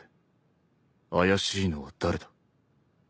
怪しいのは誰だ。